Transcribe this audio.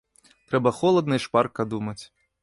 Трэба холадна і шпарка думаць.